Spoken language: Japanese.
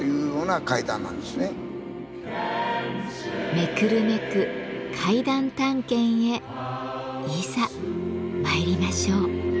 めくるめく階段探検へいざ参りましょう！